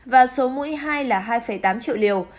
và số mũi hai là hai tám triệu liều